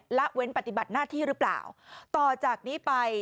ละเว้นปฏิบัติหน้าที่หรือเปล่าต่อจากนี้ไป